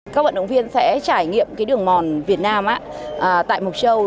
các vận động viên sẽ trải nghiệm cái đường mòn việt nam tại mộc châu